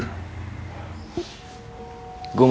gue masih ga rela